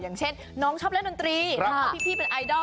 อย่างเช่นน้องชอบเล่นดนตรีนะคะพี่เป็นไอดอล